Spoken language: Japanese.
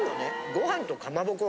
ご飯とかまぼこ。